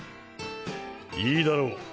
いいだろう